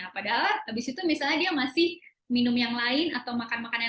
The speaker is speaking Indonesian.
padahal jika dia masih minum atau makan makanan lain